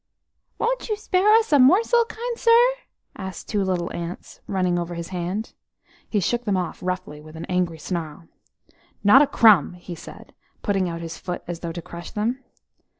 "Won't you spare us a morsel, kind sir?" asked two little ants, running over his hand. He shook them off roughly with an angry snarl. "Not a crumb!" he said, putting out his foot as though to crush them.